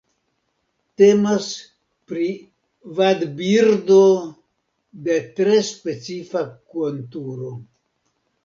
Temas pri vadbirdo de tre specifa konturo.